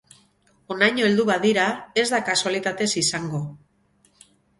Honaino heldu badira, ez da kasualitatez izango.